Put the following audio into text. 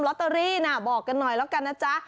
ลอตเตอรี่น่ะบอกกันหน่อยแล้วกันนะจ๊ะ